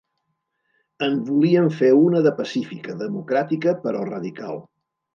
En volíem fer una de pacífica, democràtica, però radical.